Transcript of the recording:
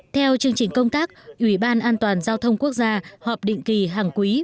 theo chương trình công tác ủy ban an toàn giao thông quốc gia họp định kỳ hàng quý